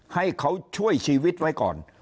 ให้เขาช่วยชีวิตไว้ก่อน